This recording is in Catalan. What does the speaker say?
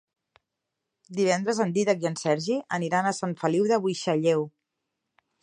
Divendres en Dídac i en Sergi aniran a Sant Feliu de Buixalleu.